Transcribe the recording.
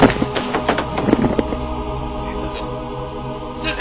「先生？